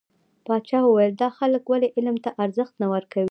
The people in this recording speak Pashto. پاچا وويل: دا خلک ولې علم ته ارزښت نه ورکوي .